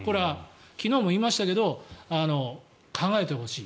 昨日も言いましたけど考えてほしい。